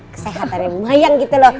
kesehatan bu mayang gitu loh